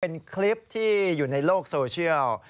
เป็นคลิปที่อยู่ในโลกโซเชียล